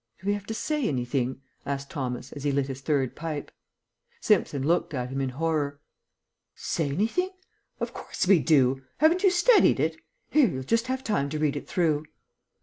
"Do we have to say anything?" asked Thomas, as he lit his third pipe. Simpson looked at him in horror. "Say anything? Of course we do! Haven't you studied it? Here, you'll just have time to read it through."